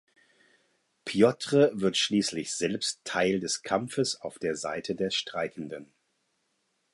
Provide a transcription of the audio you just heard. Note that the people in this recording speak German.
Pjotr wird schließlich selbst Teil des Kampfes auf der Seite der Streikenden.